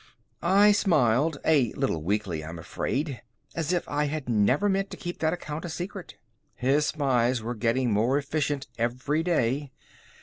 I smiled, a little weakly, I'm afraid, as if I had never meant to keep that account a secret. His spies were getting more efficient every day.